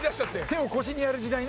手を腰にやる時代ね。